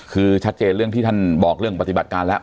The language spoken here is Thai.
คือชัดเจนเรื่องที่ท่านบอกเรื่องปฏิบัติการแล้ว